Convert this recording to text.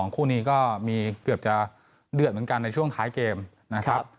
คู่นี้ก็มีเกือบจะเดือดเหมือนกันในช่วงท้ายเกมนะครับ